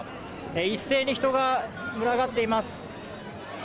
一斉に人が群がっています。